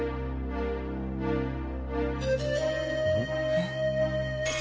えっ？